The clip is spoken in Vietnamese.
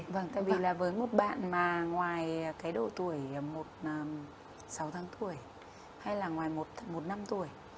vâng tại vì là với một bạn mà ngoài cái độ tuổi một sáu tháng tuổi hay là ngoài một năm tuổi